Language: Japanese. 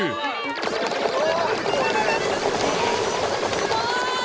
すごい！